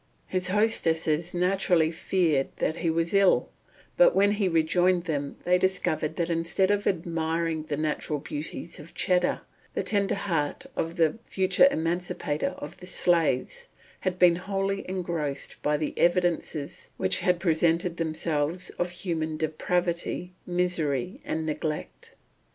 His hostesses naturally feared that he was ill; but when he rejoined them they discovered that instead of admiring the natural beauties of Cheddar, the tender heart of the future emancipator of the slaves had been wholly engrossed by the evidences which had presented themselves of human depravity, misery, and neglect.